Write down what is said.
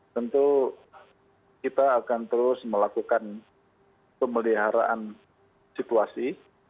tentu kita akan terus melakukan pemeliharaan situasi